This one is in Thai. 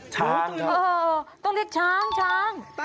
ช้างครับก็ต้องเรียกช้างช้างตื่น